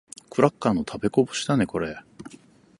クラッカーの食べこぼしだね、これ。